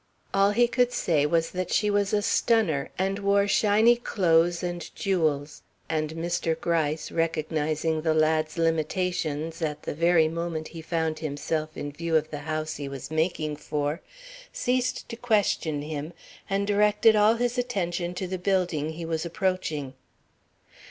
All he could say was that she was a stunner, and wore shiny clothes and jewels, and Mr. Gryce, recognizing the lad's limitations at the very moment he found himself in view of the house he was making for, ceased to question him, and directed all his attention to the building he was approaching.